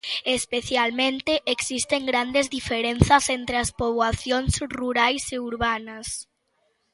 Especialmente, existen grandes diferenzas entre as poboacións rurais e urbanas.